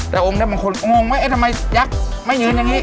แต่องค์นี้บางคนงงว่าเอ๊ะทำไมยักษ์ไม่ยืนอย่างนี้